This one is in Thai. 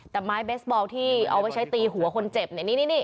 แต่ไม้เบสบอลที่เอาไว้ใช้ตีหัวคนเจ็บเนี่ยนี่